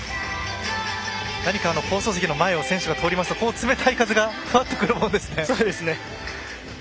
何か放送席の前を選手が通りますと冷たい風がふわっとくるものですね。